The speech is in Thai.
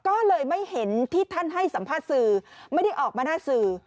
ก็เลยไม่เห็นที่ท่านให้สัมภาษณ์สื่อไม่ได้ออกมาหน้าสื่อ